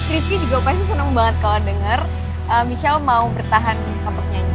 riff king juga pasti seneng banget kalau denger michelle mau bertahan di topik nyanyi